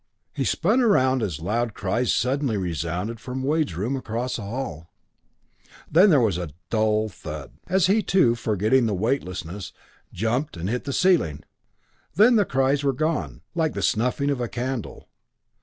He spun around as loud cries suddenly resounded from Wade's room across the hall then there was a dull thud, as he too, forgetting the weightlessness, jumped and hit the ceiling. Then the cries were gone, like the snuffing of a candle.